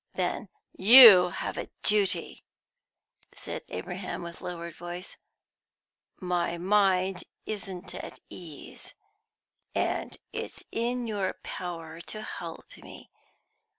"Then you have a duty," said Abraham, with lowered voice. "My mind isn't at ease, and it's in your power to help me.